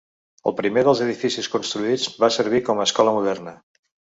El primer dels edificis construïts va servir com a escola moderna.